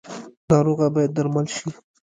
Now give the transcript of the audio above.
ناروغه باید درمل شي